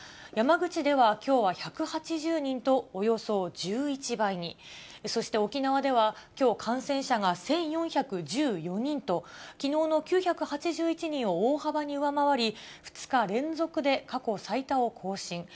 山口ではきょうは１８０人と、およそ１１倍に、そして沖縄ではきょう、感染者が１４１４人と、きのうの９８１人を大幅に上回り、２日連続で過去最多を更新。